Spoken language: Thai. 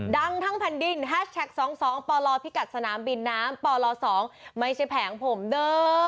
ดังทั้งแผ่นดินแฮชแท็ก๒๒ปลพิกัดสนามบินน้ำปล๒ไม่ใช่แผงผมเด้อ